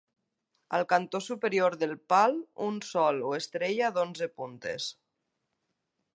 Al cantó superior del pal un sol o estrella d'onze puntes.